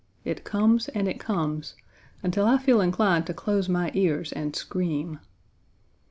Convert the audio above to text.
It comes and it comes, until I feel inclined to close my ears and scream.